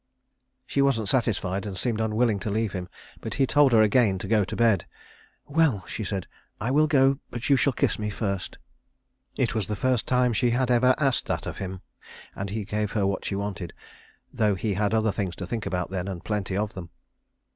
She wasn't satisfied and seemed unwilling to leave him, but he told her again to go to bed. "Well," she said, "I will go, but you shall kiss me first." It was the first time she had ever asked that of him, and he gave her what she wanted, though he had other things to think about then, and plenty of them.